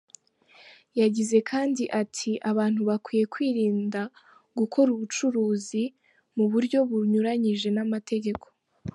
Yagize kandi ati:"Abantu bakwiye kwirinda gukora ubucuruzi mu buryo bunyuranyije n’amategeko.